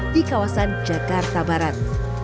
di kawasan jakarta barat